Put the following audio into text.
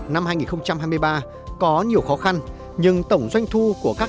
năm hai nghìn hai mươi ba có nhiều khó khăn nhưng tổng doanh nghiệp nhà nước có nhiều khó khăn